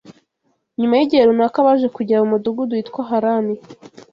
Nyuma y’igihe runaka baje kugera mu mudugudu witwaga Harani